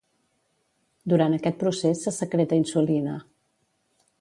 Durant aquest procés se secreta insulina.